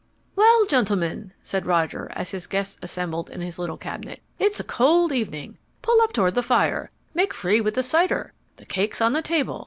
"Well, gentlemen," said Roger as his guests assembled in his little cabinet, "it's a cold evening. Pull up toward the fire. Make free with the cider. The cake's on the table.